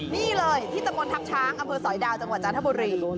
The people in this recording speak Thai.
นี่เลยที่ตะมนตทัพช้างอำเภอสอยดาวจังหวัดจันทบุรี